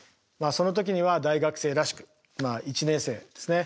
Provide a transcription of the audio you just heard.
その時には大学生らしく１年生ですね